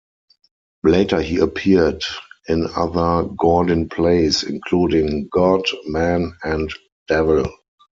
Later he appeared in other Gordin plays, including "God, Man, and Devil".